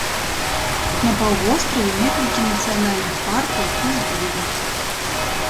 На паўвостраве некалькі нацыянальных паркаў і запаведнікаў.